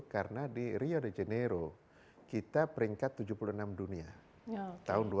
karena di rio de janeiro kita peringkat tujuh puluh enam dunia tahun dua ribu enam belas